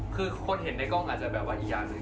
คือคนเห็นในกล้องอาจจะแบบว่าอีกอย่างหนึ่ง